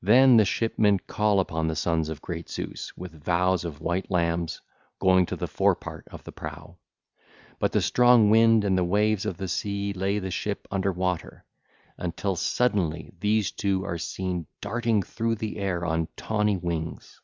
Then the shipmen call upon the sons of great Zeus with vows of white lambs, going to the forepart of the prow; but the strong wind and the waves of the sea lay the ship under water, until suddenly these two are seen darting through the air on tawny wings.